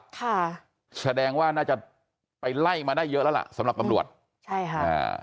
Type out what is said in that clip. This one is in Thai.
ค่ะแสดงว่าน่าจะไปไล่มาได้เยอะแล้วล่ะสำหรับตำรวจใช่ค่ะอ่า